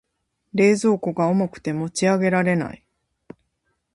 冷蔵庫が重くて持ち上げられない。